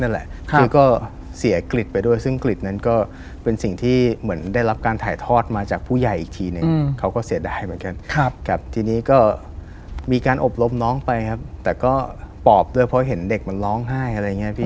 นั่นแหละซึ่งก็เสียกลิดไปด้วยซึ่งกลิดนั้นก็เป็นสิ่งที่เหมือนได้รับการถ่ายทอดมาจากผู้ใหญ่อีกทีนึงเขาก็เสียดายเหมือนกันครับทีนี้ก็มีการอบรมน้องไปครับแต่ก็ปอบด้วยเพราะเห็นเด็กมันร้องไห้อะไรอย่างนี้พี่